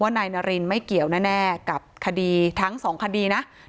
ว่านายนารินไม่เกี่ยวแน่แน่กับคดีทั้งสองคดีนะครับ